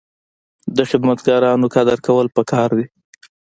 د خدمتګارانو قدر کول پکار دي.